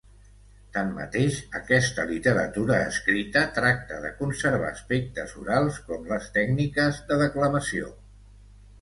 Tanmateix, aquesta literatura escrita tracta de conservar aspectes orals, com les tècniques de declamació.